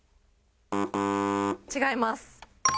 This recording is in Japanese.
違います。